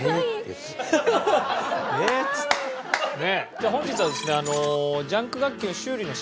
じゃあ本日はですね。